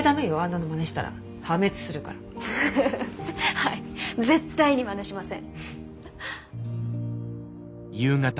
はい絶対にまねしません！